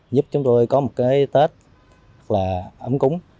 giúp chúng tôi có một cái tết ấm cúng